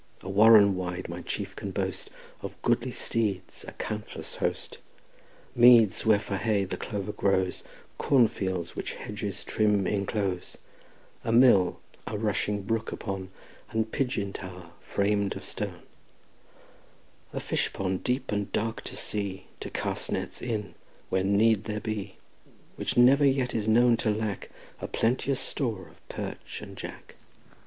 A warren wide my chief can boast, Of goodly steeds a countless host. Meads where for hay the clover grows, Corn fields which hedges trim inclose, A mill a rushing brook upon, And pigeon tower fram'd of stone; A fish pond deep and dark to see To cast nets in when need there be, Which never yet was known to lack A plenteous store of perch and jack.